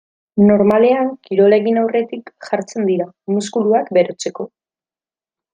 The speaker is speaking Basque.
Normalean kirola egin aurretik jartzen dira, muskuluak berotzeko.